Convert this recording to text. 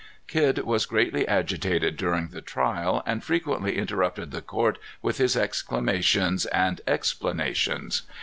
Kidd was greatly agitated during the trial, and frequently interrupted the court with his exclamations and explanations.